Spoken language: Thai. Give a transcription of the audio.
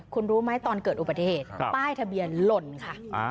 คุณรู้ไหมตอนเกิดอุบัติเหตุป้ายทะเบียนหล่นค่ะ